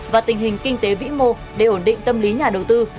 và tình hình kinh tế vĩ mô để ổn định tâm lý nhà đầu tư